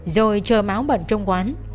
rồi chờ mão bận trong quán